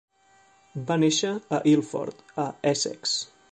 Va néixer a Ilford, a Essex.